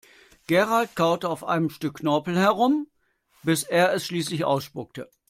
Gerald kaute auf einem Stück Knorpel herum, bis er es schließlich ausspuckte.